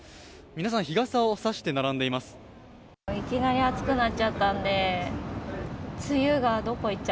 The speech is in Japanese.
皆さん、日傘を差して並んでいます